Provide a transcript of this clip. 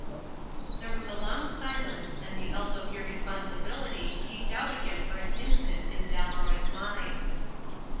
There was a long silence, and the elf of irresponsi bility peeped out again for an instant in Dalroy's mind.